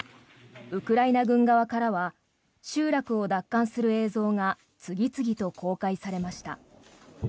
ウクライナ軍側からは集落を奪還する映像が次々と公開されました。